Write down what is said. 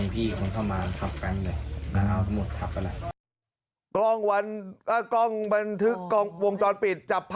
ที่ตรงนี้เบ็ดจับ